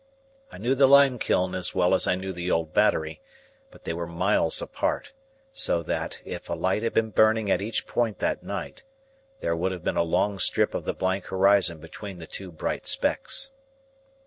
I knew the limekiln as well as I knew the old Battery, but they were miles apart; so that, if a light had been burning at each point that night, there would have been a long strip of the blank horizon between the two bright specks.